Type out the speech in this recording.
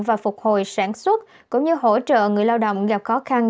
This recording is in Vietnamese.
và phục hồi sản xuất cũng như hỗ trợ người lao động gặp khó khăn